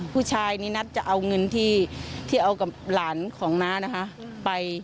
ผู้ชายนี่นัดจะเอาเงินที่เอากับหลานของน้านะคะไป